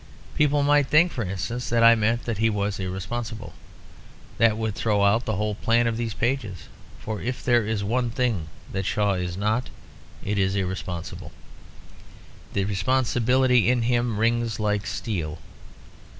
People might think, for instance, that I meant that he was "irresponsible." That would throw out the whole plan of these pages, for if there is one thing that Shaw is not, it is irresponsible. The responsibility in him rings like steel.